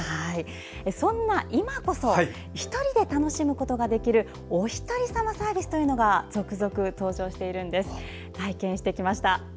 そんな今こそ１人で楽しむことができるおひとりさまサービスというのが続々登場しているんです。